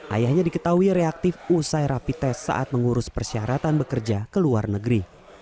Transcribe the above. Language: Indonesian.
ayahnya diketahui reaktif usai rapi tes saat mengurus persyaratan bekerja ke luar negeri